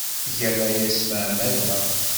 Tgam aya s tmeɛmada.